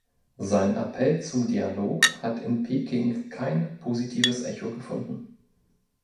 Sein Appell zum Dialog hat in Peking kein positives Echo gefunden.